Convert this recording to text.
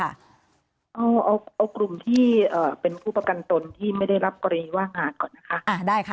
เอากลุ่มที่เป็นผู้ประกันตนที่ไม่ได้รับกรณีว่างงานก่อนนะคะ